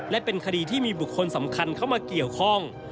และเป็นคดีที่มีบุคคลสำคัญเข้ามาเกี่ยวข้อง